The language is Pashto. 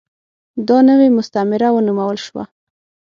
دا نوې مستعمره ونومول شوه.